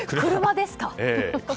車ですか？